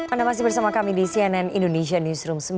anda masih bersama kami di cnn indonesia newsroom